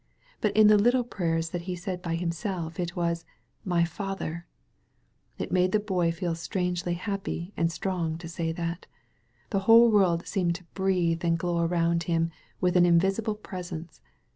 But in the little prayers that he said by himself it was ''my Father !It nuule the Boy t^ strangely happy and strong to say that. The whole world seemed to breathe and glow around him with an invisible presence.